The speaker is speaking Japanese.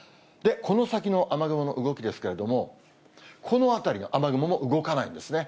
この先の雨雲の動きですけれども、この辺りの雨雲も動かないですね。